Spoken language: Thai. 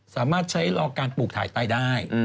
สามารถใช้รอการปลูกถ่ายใต้ได้